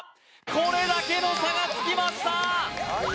これだけの差がつきました